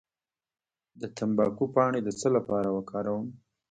د تمباکو پاڼې د څه لپاره وکاروم؟